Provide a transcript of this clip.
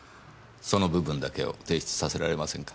その部分だけを提出させられませんか？